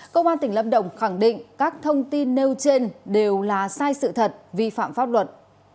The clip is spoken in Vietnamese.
công an tỉnh lâm đồng khẳng định các thông tin nêu trên đều là sai sự thật vi phạm pháp luật